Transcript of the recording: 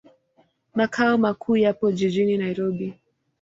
Makao makuu yapo jijini Nairobi.